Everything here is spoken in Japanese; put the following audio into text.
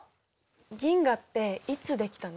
銀河っていつ出来たの？